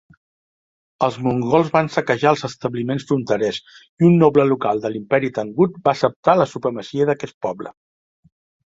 Els mongols van saquejar els establiments fronterers i un noble local de l'Imperi Tangut va acceptar la supremacia d'aquest poble.